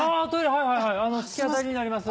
はいはいあの突き当たりになります。